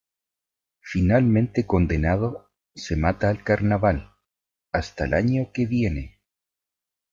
Finalmente condenado se mata al Carnaval...hasta el año que viene.